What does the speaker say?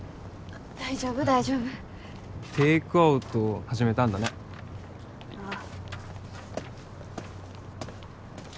大丈夫大丈夫テイクアウト始めたんだねああ